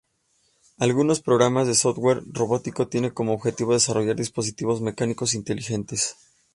Algunos programas de software robótico tiene como objetivo desarrollar dispositivos mecánicos inteligentes.